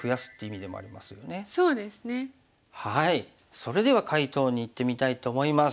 それでは解答にいってみたいと思います。